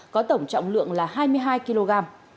có tổng trọng lượng là hai mươi hai kg